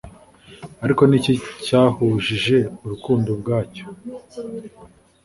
Ariko niki cyahujije Urukundo ubwacyo